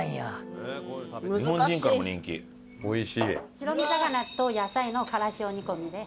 白身魚と野菜の辛塩煮込みです。